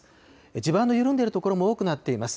地盤の緩んでいる所も多くなっています。